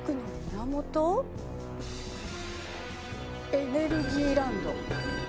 エネルギーランド。